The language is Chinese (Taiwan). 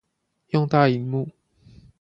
用大螢幕